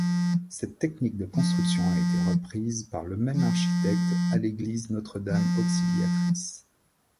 Cette technique de construction a été reprise par le même architecte à l'église Notre-Dame-Auxiliatrice.